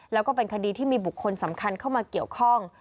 แล้วก็เป็นคดีที่มีบุคคลสำคัญเข้ามาเกี่ยวข้อง